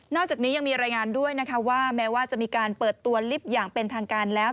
อกจากนี้ยังมีรายงานด้วยนะคะว่าแม้ว่าจะมีการเปิดตัวลิฟต์อย่างเป็นทางการแล้ว